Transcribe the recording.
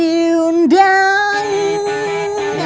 aku tanah saman